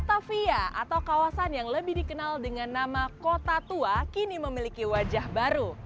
batavia atau kawasan yang lebih dikenal dengan nama kota tua kini memiliki wajah baru